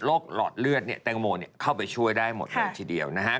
หลอดเลือดเนี่ยแตงโมเข้าไปช่วยได้หมดเลยทีเดียวนะฮะ